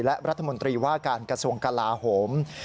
และรัฐมนตรีว่าการกระทรวงกลาโหม